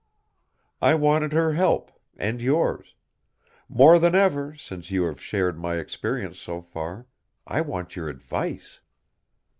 "I wanted her help, and yours. More than ever, since you have shared my experience so far, I want your advice."